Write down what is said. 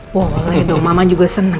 boleh dong mama juga senang